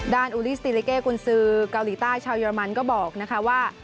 ด้านอุลีสติเลเกกุนซือเกาหลีใต้ชาวเยอรมันก็บอกว่า